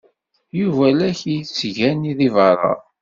Yuba la k-yettgani deg beṛṛa.